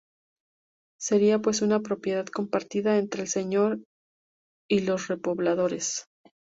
Sería pues, una propiedad compartida entre el señor y los repobladores.